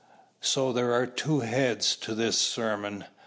So there are two heads to this sermon.